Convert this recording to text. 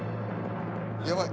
やばい。